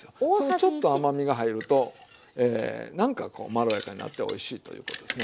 ちょっと甘みが入るとなんかこうまろやかになっておいしいということですね。